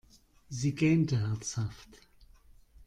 Sie gähnte herzhaft.